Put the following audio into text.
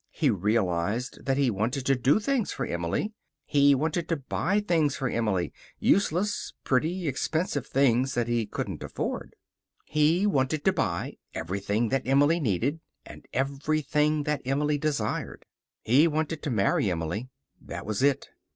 He realized that he wanted to do things for Emily. He wanted to buy things for Emily useless, pretty, expensive things that he couldn't afford. He wanted to buy everything that Emily needed, and everything that Emily desired. He wanted to marry Emily. That was it.